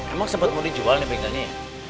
emang sempet mau dijual nih bengkelnya ya